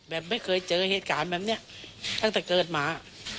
แบบไม่เคยเจอเหตุการณ์แบบนี้ตั้งแต่เกิดมา